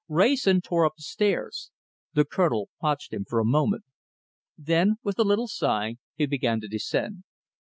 Wrayson tore up the stairs. The Colonel watched him for a moment. Then, with a little sigh, he began to descend.